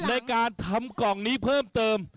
ในการทำกล่องนี้เพิ่มเติม